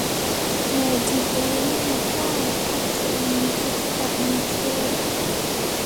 Moodibbo wii mo : kaay, accu en njotta, en cooda.